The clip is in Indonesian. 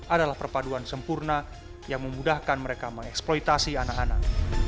adalah perpaduan sempurna yang memudahkan mereka mengeksploitasi anak anak